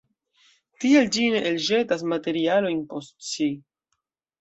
Tial ĝi ne elĵetas materialojn post si.